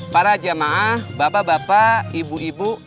para jemaah bapak bapak ibu ibu